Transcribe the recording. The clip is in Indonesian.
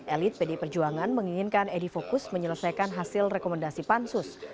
elit pdi perjuangan menginginkan edi fokus menyelesaikan hasil rekomendasi pansus